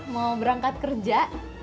mau berangkat kerja